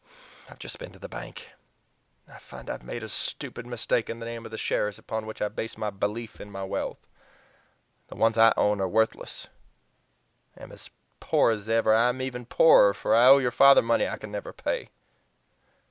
I have just been to the bank; I find I have made a stupid mistake in the name of the shares upon which I based my belief in my wealth. The ones I own are worthless am as poor as ever I am even poorer, for I owe your father money I can never pay!"